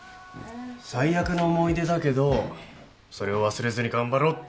最悪の思い出だけどそれを忘れずに頑張ろうって決めたんだよ。